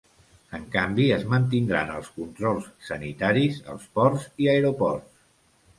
En canvi, es mantindran els controls sanitaris als ports i aeroports.